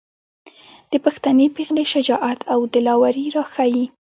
د پښتنې پېغلې شجاعت او دلاوري راښايي.